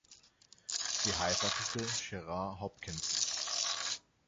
Sie heiratete Gerard Hopkins.